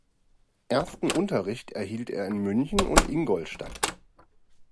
Ersten Unterricht erhielt er in München und Ingolstadt.